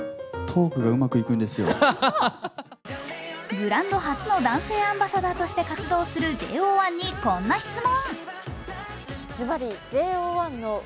ブランド初の男性アンバサダーとして活動するＪＯ１にこんな質問。